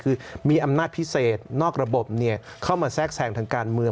คือมีอำนาจพิเศษนอกระบบเข้ามาแทรกแทรงทางการเมือง